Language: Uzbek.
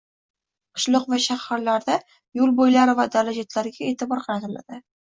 qishloq va shaharlarda yo‘l bo‘ylari va dala chetlariga e'tibor qaratiladi.